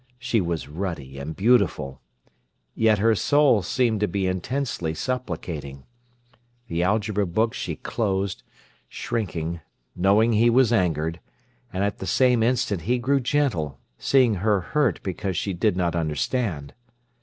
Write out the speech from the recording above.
She was ruddy and beautiful. Yet her soul seemed to be intensely supplicating. The algebra book she closed, shrinking, knowing he was angered; and at the same instant he grew gentle, seeing her hurt because she did not understand.